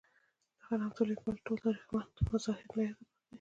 دغه نامتو لیکوال ټول تاریخمن مظاهر له یاده باسي.